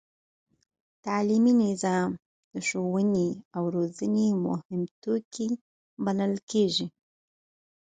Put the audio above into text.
تعلیمي نصاب د ښوونې او روزنې مهم توکی بلل کېږي.